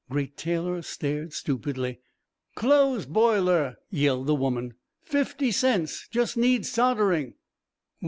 Great Taylor stared stupidly. "Clothes boiler," yelled the woman. "Fifty cents.... Just needs soldering."